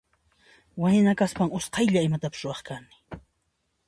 Wayna kaspan usqaylla imatapas ruwaq kani.